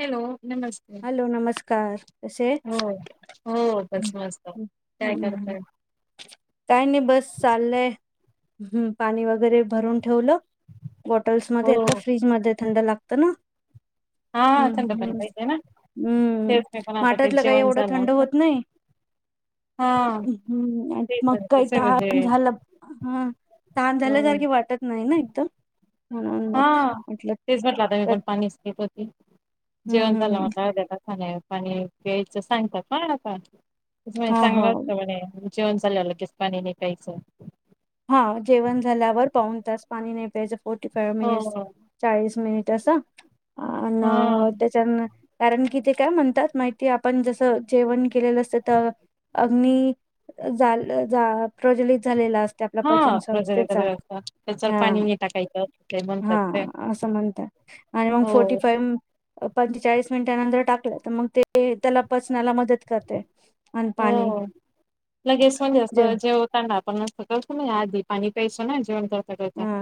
Hello. नमस्ते. Hello नमस्कार कसे हो हो हम्म. -बस मस्त. काय कर? हम्म. ताय? काय नाही बस चाललंय. ह् पाणी वगैरे भरून ठेवलं. हो बॉटल्समध्ये आता. फ्रीज मध्ये थंड लागत ना? हा हम्म थंड पण हम्म. पाहिजे ना हम्म. तेच मी पण आता ते माठातलं काही जेवण एवढं झालं थंड होत नाही. हा हम्म ते मग पण काही तसे तर म्हणजे [unintelligible] झालं हम. तहान हो झाल्यासारखी वाटत नाही ना एकदम? म्हणून मग हा. म्हटलं तेच म्हटलं, आता मी पण तर- पाणी- हम्म जेवण हम्म हम्म झाल्यावर [unintelligible] कसा नाही पाणी घ्यायचं सांगतात ना आता? हा हो चांगलं असतं म्हणे जेवण झाल्यावर लगेच पाणी नाही प्यायचं. हा जेवण झाल्यावर पाऊन तास पाणी नाही प्यायचं फोर्टी फायव्ह हो मिनिट्स, चाळीस मिनिट्. तस अ हा त्याच्यान कारण कि ते काय म्हणतात माहिती आपण जसं जेवण केलेलं असतं तर, अग्नी जा जा प्रज्वलित झालेला असतो. आपला हा पचन प्रजर संस्थेचा वगैरे असतात त्याच्यावर हा पाणी नाही टाकायचं असं ते म्हणतात हा ते असं म्हणतात. आणि मग हो फोर्टी फाईव पंचेचाळीस मिनिट नंतर टाकलं तर मग ते त्याला पचण्याला मदत करते. आणि पाणी हो लगेच म्हणजे जे असं जेवताना आपण नसतो. तुम्ही या आदी पाणी प्यास ना जेवण करता करता ह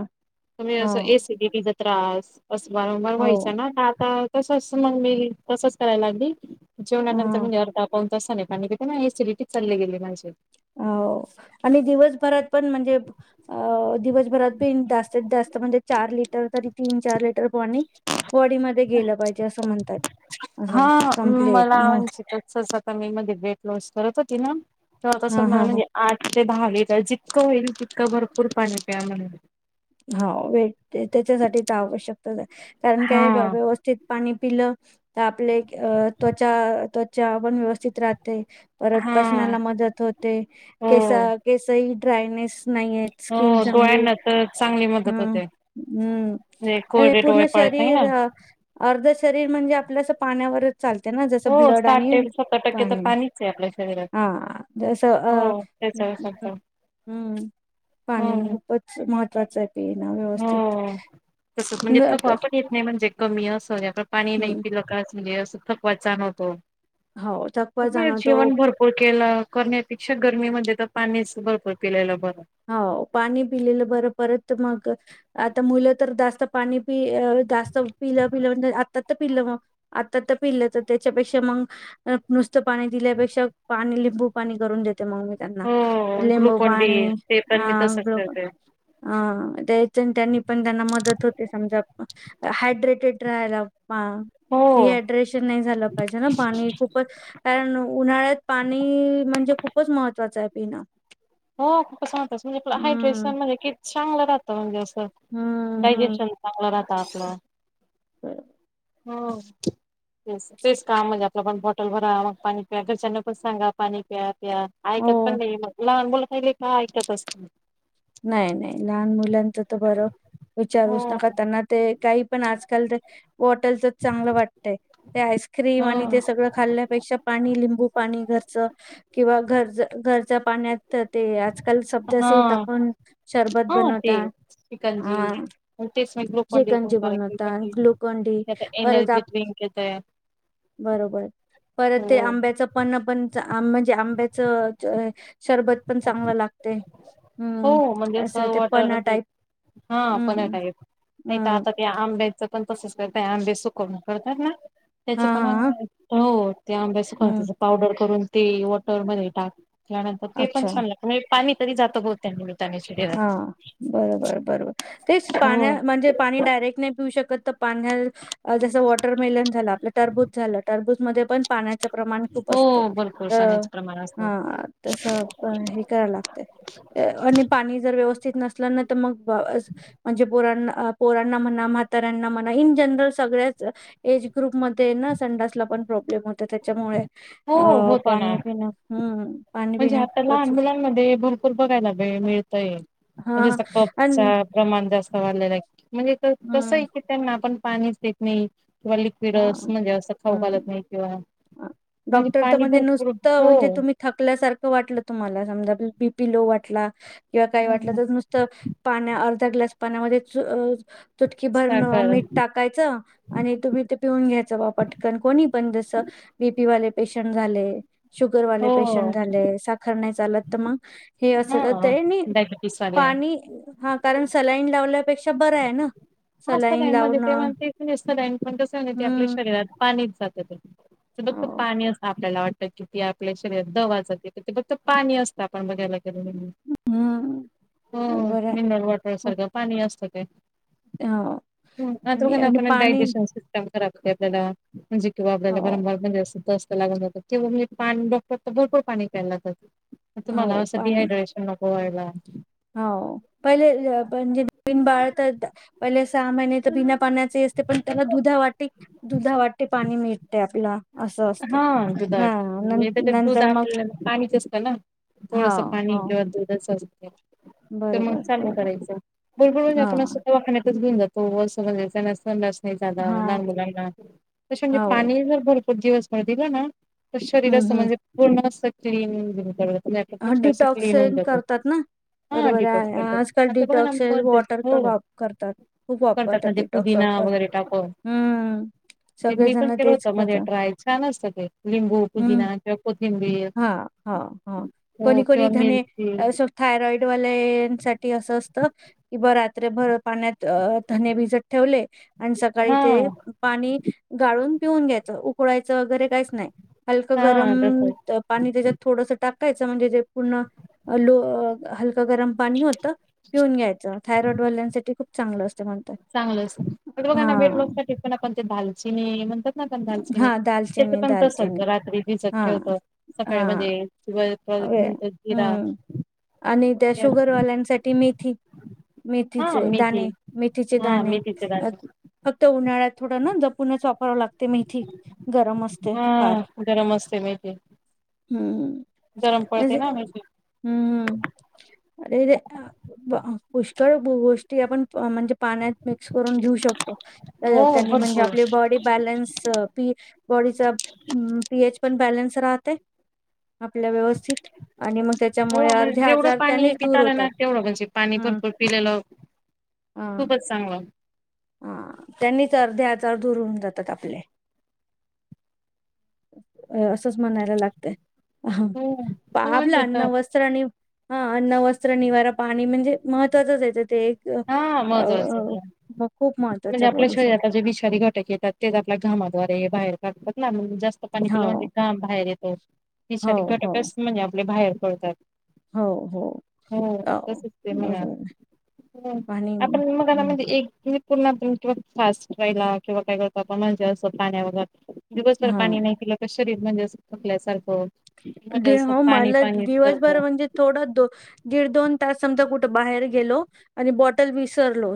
तुम्ही हो अस एसिडिटीचा त्रास, अस वारंवार हो व्हायचा ना आता तसच मग मी तसच करायला लागली. ह जेवणानंतर म्हणे अर्धा पाऊ तासा नाही पाणी कि नाही एसिडिटी चालले गेली माझे. हो आणि दिवसभरात पण म्हणजे अ दिवस [unintelligible] जात म्हणजे चार लिटर तीन चार लिटर पाणी बॉडीमध्ये गेलं पाहिजे असं म्हणतात. हा असं कंप्लीट मला मग अचितचता मी मध्ये वेट लॉस करत होती ना! तर तसं हा मला हा ह म्हणजे आठ ते दहा लिटर जितकं होईल तितकं भरपूर पाणी प्या हा वेट त्याच्यासाठी तर आवश्यकच आहे कारण काय हा. व्यवस्थित पाणी पिलं तर आपले त्वचा त्वचा आपण व्यवस्थित राहते. परत हा पचनाला मदत होते हो केस- केस ड्रायनेस नाही आहेत हो स्किन चांगली डोळ्यांना तर चांगली मदत हम्म, होते. हम्म म्हणजे आणि कोरडे डोळे पूर्ण पडत नाही ना शरीर अर्ध शरीर म्हणजे, आपल्या असं पाण्यावरच चालते ना जसं हो ब्लड साठ आणि ते सत्तर टक्के तर पाणी पाणीच आहे आपल्या हा जसं अ तेचत हम्म [unintelligible] हम्म पाणी खूपच महत् [unintelligible] व्यवस्थित तसंच म्हणजे न- थकवा क- पण येत नाही म्हणजे कमी असं आपण पाणी नाही हम्म पिलंका म्हणजे, असं थकवा जाणवतो. हो थकवा जाणवतो जेवण भरपूर केलं करण्यापेक्षा गर्मीमध्ये पाणी भरपूर पिल्यालं बर. हो पाणी पिलेलं बरं परत मग, आता मुलं तर जास्त पाणी जास्त पिलं पिलं म्हण आता तर पिलं मग, आता तर पिलं तर त्याच्यापेक्षा मग नुसतं पाणी पिल्यापेक्षा पाणी लिंबू पाणी करून देते मग मी त्यांना हो लिंबू ग्लुकोन डी पाणी ते पण मी तसच [unintelligible] करते त्या त्यांनी पण त्यांना मदत होते समजा हायड्रेटेड राहायला. हा हो डिहायड्रेशन नाही झालं पाहिजे ना पाणी खूपच कारण उन्हाळ्यात पाणी म्हणजे, खूपचं महत्त्वाचं आहे पिणं. हो कसं म्हणत म्हणजे आप हम्म हायड्रेशन म्हणजे चांगलं रातं म्हणजे अस हम्म डायजेशन चांगलं राहतं आपलं. ह. हो. ते तेच काम म्हणजे आपलं पण बॉटल भरा मग पाणी घरच्यांना पण सांगा पाणी पिया ऐकत हो. पण नाही लहान मुल हिले का ऐकत असत. नाही नाही लहान मुलांच तर बरं हो विचारूच नका त्यांना ते, काही पण आजकाल तर, बॉटलचंच चांगलं वाटतंय, ते हो आईस्क्रीम आणि ते सगळं खाल्ल्यापेक्षा पाणी लिंबू पाणी घरचं किंवा घर घरच्या पाण्यात ते आजकाल हा सब्जासीड टाक पण शरबत हा ते बनवता शिकंजी आं.. मग तेच मी ग्लुकोन जे डी कनजी बनवता ग्लुकोन ग्लुकोन डी परत एनर्जी आप... ड्रिंक येतय बरोबर परत ते हो आंब्याचं पन्ह पण म्हणजे आंब्याच... शरबत पण चांगला लागतंय... हम्म. हो म्हणजेच असं ते वॉटर... पन्ना टाईप. हा पन्हा हम्म. टाईप, नाही तर हम्म आता त्या आंब्याच... पण तसेच करताय अंबे सुकवून करतात ना? त्याच हा पन्ह हा हो ते आंब्या सुकवून हम्म त्याची पावडर करून.. ते वॉटरमध्येध्ये टाकल्यानंतर ते पण अच्छा. छान लागत म्हणजे पाणी तरी जातं बत त्यामुळे... हा बरोबर बरोबर तेच हो पाण्या म्हणजे पाणी डायरेक्ट नाही पिऊ शकत.. तर पाण्यालतं.. जसं वॉटरमेलन झालं आपलं टरबूज झालं टरबूज मध्ये पण पाण्याच प्रमाण खूप असते.... हो पाण्याच प्रमाण... असतं हं तसं हे कराला लागतंय आणि... मी जर व्यवस्थित नसले ना, तं मग म्हणजे पोरांना म्हणा, म्हाताऱ्यांना म्हणा हि... जनरल सगळ्याच एज ग्रुपमधेना.. संडासला पण प्रॉब्लेम होतो त्याच्यामुळे हो अ होत ना पाणी पिणं. हहं.. म्हणजे आता लहान मुलांमध्ये भुरपूर बघायला मिळतय... हा म्हणजेप आणि कफचा प्रमाण जास्त... म्हणजे कसं हम्म आहे की त्यांना आपण पाणीच देत नाही. किंवा हा लिक्विडस म्हणजे असं खाऊ घालत हम्म. नाही किंवा, म्हणजे डॉक्टर तर पाणी म्हणे भरपूर नुसत म्हजे हो तुम्ही थकल्यासारखं... वाटलं तुम्हाला, समजा बीपी लो वाटला किंवा काय वाटला तर नुसत पाण्या.. एक ग्लास पाण्यामध्ये चू टकी भरू साखर मीठ टाकायचं आणि तुम्ही ते.. पिऊन घ्यायचं बा पटकन कोणी पण जसं बीपी वाले पेशंट झाले... शुगरवाले हो पेशंट झाले साखर नाही चालत तर मग हे अस हा यांनी डायबिटीस आले पाणी हा कारण सलाईन लावल्यापेक्षा... बरं आहे ना हा असतं सलाईन काई मध्ये त तेव्हा लावणं अं ते काही नाही ते आपल्या हम्म शरीरात पाणीच जातं ते. ते फक्त पाणी.... आपल्याला वाटत कि ती आपल्या शरीरात दवा जाते ते फक्त पाणी असतं आपण बघायला हम्म हो बरोबर आहे मिनरल वॉटर हो सारखं पाणी असतं ते... हो. ह् आताघ आणि ना आणि आपण पाणी डायजेशन सिस्टम आपल्याला म्हणजे किंवा हो आपल्याला वारंवार म्हणजे असत. भरपर पाणी प्यायला लागत. तुम्हाला हो असं पाणी डिायड्रेश होय बा.... हो पहिले अ, म्हणजे नवीन बाळ तर पहिले सहा महिने तर बिना पाण्याचे असते, पण त्यांना दुधा वाटी दुधावाटे पाणी मिळतय आपलं... हा दुधा तू म्हणजे त्या दूध नंतर मग आपल्या पाणीच असतं ना? हा थोडसं पाणी हो किंवा दूधच अस.. तर मग बरोबर चालू बरोबर करायचं, बरबर म्हणजे हा आपण दवाखान्यात च घेऊन जातो... हो असं म्हणजे ज्यांना संडास नाही झालं हा लहान मुलांना तसं म्हणजे हो पाणी जर भरपूर दिवस... दिलं ना, तर शरीर असं हम्म म्हणजे पूर्ण अस क्लीन होईल परत.... डिटॉक्सिन करतात ना? हा बरोबर डिटॉक्स आहे करतात आजकाल आता बघा ना डिटॉक्स हे बर्देच वॉटर हो वापर करतात खूप करतात वापरतात ना ते डिटॉक्स पुदिना वापर... वगैरे टाकून. हम्म... ते मी पण सगळेजण केलं होत तेच मध्ये करतात ट्राय. छान असत ते लिंबू पुदिना किंवा को... हा हा हा कोणी हो किंवा कोणी धने मिरची थायरॉइड वाल्यासाठी अस.. असतं की बॉ रात्रभर पाण्यात धने भिजत ठेवले... आणि सकाळी हा ते पाणी गाळून पिऊन घ्यायचं उकडळायचं वगैरे काहीच नाही हलक गरम हा तसच त पाणी त्याच्यात थोडस टाकायच म्हणजे ते पूर्ण गरम पाणी होत पिऊन घ्यायचं थाॅयराइडवाल्यांसाठी खूप चांगल असतं. म्हणतात. चांगलच बघा ना हां, वेटलाॅसाठी पण आपण ते दालचिनी म्हणतात ना पण दालचिनी हां. दालचिनी, पण तसच दालचिनी. रात्री भिजत हां, ठेवतो. हां. सकाळी अ, हं. [unintelligible] आणि त्या शुगरवाल्यांसाठी मेथी. हा मेथीचे मेथी दाणे मेथीचे हा मेथीचे दाणे थोड ना जपूनच वापराव लागते मेथी. गरम असते फार हा गरम असते मेथी हम् हम. गरम अ पडते ना मेथी हम्म अे ते [unintelligible] पुष्कळ गोष्टी आपण म्हणजे पाण्यात मिक्स करून घेऊ शकतो. हो त्यांनी म्हणजे भरपूर आपली बाॅडी बॅलेन्स बॉडी चा पीएच पण बॅलन्स राहते. आपल्या व्यवस्थित आणि मग हो त्याच्यामुळे म्हणजे अर्धे जेवढं आजार पाणी त्यानेच पिता दूर आलं ना होतात. तेवढं म्हणजे पाणी हम. भरपूर पिलेलं खूपच चांगलं. आप असच म्हणायला लागतं... ह हो मग आपला म्हणजे अन्न वस्त्र आणि.... हा अन्न वस्त्र निवारा पाणी म्हणजे महत्त्वाचंच येतं ते एक हा महत्वाचं अ मग खूप म्हणजे महत्त्वाच्या आपल्या बॉडीसाठी शरीराात जे विषारी घटक येतात तेच आपल्या घामाद्वारे बाहेर काढतात ना जास्त पाणी पिलं म्हणजे हो घाम बाहेर येतो त हो हो घटकस् म्हणजे आपले बाहेर पडतात. हो हो हो तसच ते म्हणा बरोबर हम्म पाणी आपण हम्म मगनामध्येण एक पूर्णिंवा फास्ट रायला किंवा काय कळतो आपणलाजेस्त पाण्या वगैर दिवसभर हा पाणी नाही पिल क शरीर म्हणजे अस थकल्यासारखं म्हणजे असं हो पाणी मला पाणी करत दिवसभर म्हणजे थोडा द दीड दोन तास समजा कुठे बाहेर गेलो आणि बॉटल विसरलो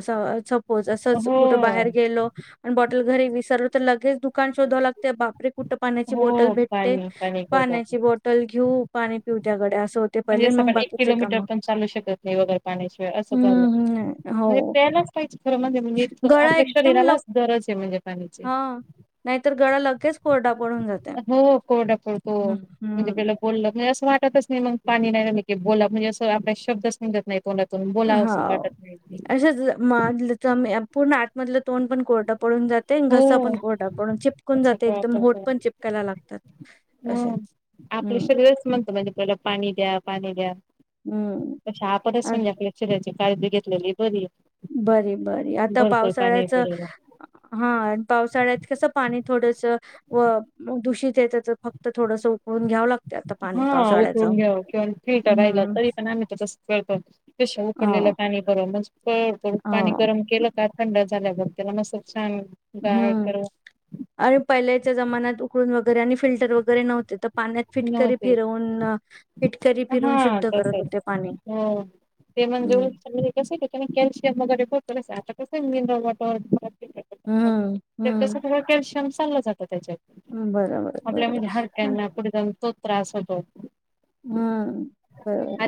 सपोज असंच हो कुठं बाहेर गेलो आणि बॉटल घरी विसरलो तर लगेच दुकान शोधाव लागते बा कुठं पाण्याची बॉटल हो भेटते पाणी पाणी करतो पाण्याची आपण बाॅटल घेऊ पाणी पिऊ त्याकडे अस म्हणजे असं पण एक किलोमीटर पण चालू शकत नाही वगैरे पाण्याशिवाय असं झालं हम्म हम्म हो म्हणजे प्यायलाच पाहिजे. खर मज म्हणजे गळा आपल्या एकदम लव शरीरालाच गरज आहे म्हणजे पाण्याची हा नाहीतर गळा लगेच कोरडा पडून जाते हो कोडा कोो हम्म म्हणजे हम्म पला बोललं म्हणजे अस वाटतच नाही मग पाणी नाहीे बोलन म्हणजे असं आपल्या शब्दच निगत नाहीत. हा अ पूर्ण आतमधलं तोंड पण कोरड पडून जाते हो घसा पण कोरडा पडून चिपकून असा जाते कोरडा एकदम होट पडतो पण चिपकायला लागतात असे हम्म आपलं हम्म शरीरच म्हणतं म्हणजे आपल्याला पाणी द्या पाणी द्या हम्म तसे आपणच म्हणजे आपल्या शरीराची काळजी घेतलेली बरी बरी बरी आता भरपूर पाणी पावसाळ्याच पिलेलं हा पावसाळ्यात कसं पाणी थोडस व दूषित येत तर फक्त थोडसं उकळून घ्यावं लागत. हा उकळून घ्याव किंवा फिल्टर राहिलं हम्म तरी पण आम्ही तसं करतो त्या पेशा हो उकळलेल्या पाणी बर म पळ पाणी हो गरम केलं का थंड झाल्यावर त्याला मस हम्म आणि पहिल्याच्या जमान्यात उकळून वगैरे आणि फिल्टर वगैरे नव्हते तर पाण्यात फिटकरी नव्हते फिरवून फिटकरी फिरून हा शुद्ध करत तसच होते पाणी. हो ते हम्म म्हणजे कस त्या कॅल्शियम वगैरे पत आता कसं आहे मिनरल वॉटर हम्म, त्या कस हम्म. कॅल्शियम चाललं जातं त्याच्यात बरोबर, आपल्या बरोबर. म्हणजे हां, हाडक्यांना पुुढे जाऊण तोच त्रास होतो. हम्म बरोबर.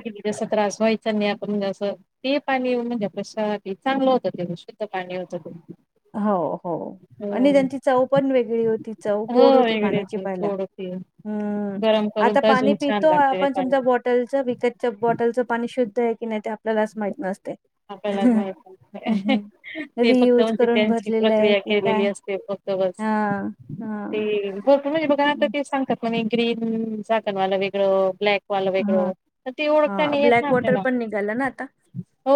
वयचं नाही आपण म्हणजे असं ते पाणी म्हणजे पशा चांगलं होतं ते शुद्ध पाणी होत ते. हो हो हो आणि त्यांची चव पण वेगळी होती, चव हो गोड होती वेगळी पाण्याची पहिलाऽ गोड होती हम्म, गरम करून आता पाणी अजून छान पितो लागते त्या आपण, पाणी समजा बॉटलचं, विकतच्या बॉटलचं पाणी शुद्ध आहे की नाहीऽ लाच माहित नसतय. आपलाच माहित नसतय,, ते फक्तऽ रियूज करून त्यांची भरलेलं आहे प्रक्रिया की काय? केलेली असते, फक्त बस, हां, हां. ते होत म्हणजे बघा नाता ते सांगतातऽ ग्रीन झाकणवाला वेगळं, ब्लॅकऽ वालं वेगळं, हां, तर ते ओळखता हां. नाही येत ना ब्लॅक वॉटर आपल्याला,. पण निघालं ना आता.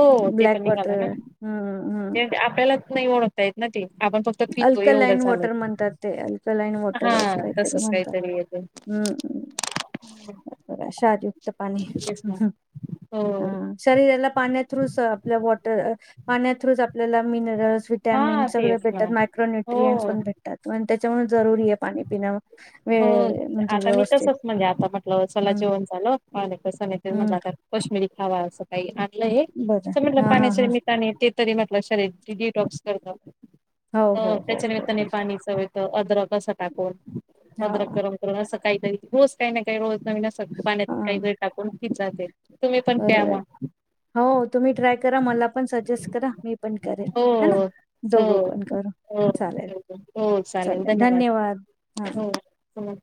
हो, ते पण ब्लॅक निघाला वॉटर. ना,,, हं, आपल्यालाच नाही ओळखता येत ना तेऽ अल्कलाइन वॉटर म्हणतात ते,, अल्कलाइन वॉटर हा अस काहीतरी तसच म्हणतात. काहीतरी येते हम्म्, शारीयुक्त पाणी,, तेच ना ह् हम हो हम, शरीरला पाण्यातऽ आप वॉ पा ्र, आपल्या मिनरल्स, विटामिन हा तेच सगळचऽ ना यक्रो न्यट्रिं हो पण भेटतात, त्याच्यामुळे जरुरी आहे पाणी पिणं हो, वेळ म्हणजे आता मी व्यवस्थित तसच म्हणजे आता म्हटलं चला हम्म जेवण झालं,,, कसं नाही म्हण हम्म आता कश्मीिरीऽ हवा असं काही आणलंय,, बरं असं म्हटलं हा हा पाण्याच्या हा निमित्त न तेऽ तरी म्हटलं शरीर डिटॉक्स करतात,, हो हो हो त्याच्या निमित्ताने बरोबर पाणी चऽ अदरक असं टाकून,, हा अदरक गरम करून,, असं काहीतरी रोज काही ना काही रोजऽ नवीन अस पाण्यात हा काही वेळ टाकून,, खिचात तुम्ही पण प्या बरोबर आहे म्हऽ हो, तुम्ही ट्राय करा मला पण सजेस्ट करा, मी पण करेल, हो ह ना. दोघं हो कोण करू हो चालेल, हो चालेल, धन्यवाद हा हम्,